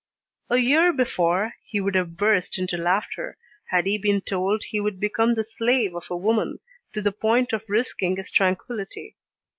A year before, he would have burst into laughter, had he been told he would become the slave of a woman, to the point of risking his tranquillity.